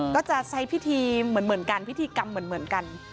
ก็จะใช้พิธีเหมือนกันพิธีกรรมเหมือนกัน